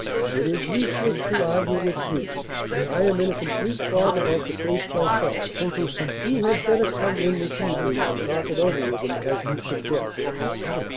It is useless to argue with me. I am in a complete fog about the case myself. You had better come in this evening and talk it over with him as he suggests."